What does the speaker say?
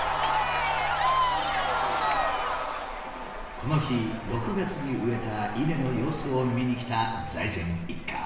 この日６月に植えた稲の様子を見に来た財前一家。